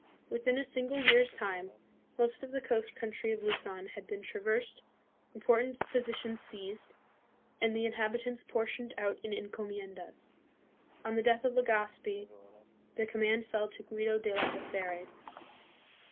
Within a single year's time most of the coast country of Luzon had been traversed, import ant positions seized, and the inhabitants por tioned out in encomien das. On the death of Legazpi, the command fell to Guido de Labe zares.